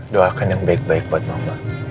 doakan yang baik baik buat mama